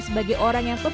sebagai orang yang fokus